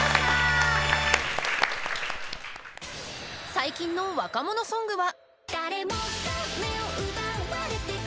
最近の若者ソングは。